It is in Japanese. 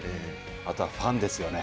あとはファンですよね。